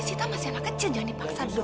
ini sita masih anak kecil jangan dipaksa dong